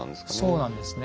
そうなんですね。